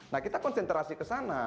nah kita konsentrasi ke sana